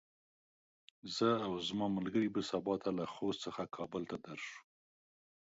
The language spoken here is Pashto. زه او زما ملګري به سبا ته له خوست څخه کابل ته درشو.